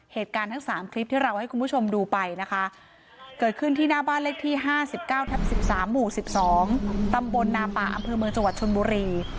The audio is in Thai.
เหตุการณ์ทั้ง๓คลิปที่เราให้คุณผู้ชมดูไปนะคะเกิดขึ้นที่หน้าบ้านเลขที่๕๙ทับ๑๓หมู่๑๒ตำบลนาป่าอำเภอเมืองจังหวัดชนบุรี